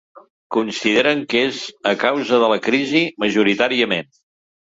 Consideren que és a causa de la crisi, majoritàriament.